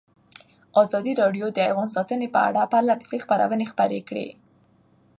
ازادي راډیو د حیوان ساتنه په اړه پرله پسې خبرونه خپاره کړي.